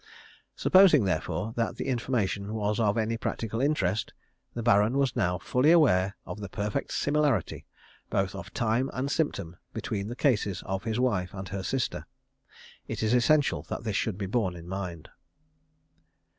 Supposing, therefore, that the information was of any practical interest, the Baron was now fully aware of the perfect similarity, both of time and symptom, between the cases of his wife and her sister. It is essential that this should be borne in mind.